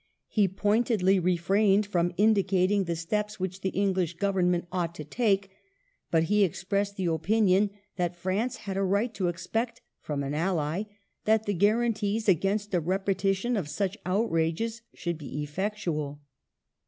" He pointedly refrained from indicating the steps which the English Government ought to take, but he expressed the opinion that France had a right to expect " from an ally " that the guarantees against a repe tition of such outrages should be effectual.